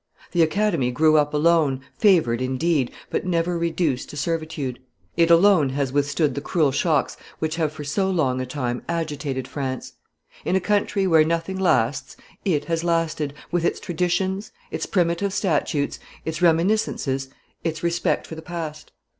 The Academy grew up alone, favored indeed, but never reduced to servitude; it alone has withstood the cruel shocks which have for so long a time agitated France; in a country where nothing lasts, it has lasted, with its traditions, its primitive statutes, its reminiscences, its respect for the past.